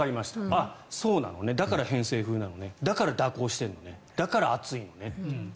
ああ、そうなのねだから、偏西風なのでだから、蛇行しているのねだから、暑いのねと。